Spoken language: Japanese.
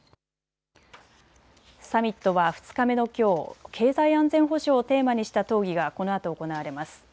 サミットは２日目のきょう経済安全保障をテーマにした討議がこのあと行われます。